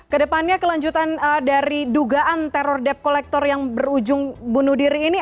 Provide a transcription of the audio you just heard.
kedepannya kelanjutan dari dugaan teror debt collector yang berujung bunuh diri ini